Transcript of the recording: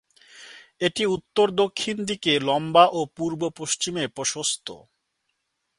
এটি উত্তর-দক্ষিণ দিকে লম্বা ও পূর্ব-পশ্চিমে প্রশস্ত।